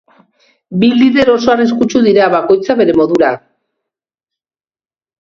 Bi lider oso arriskutsu dira, bakoitza bere modura.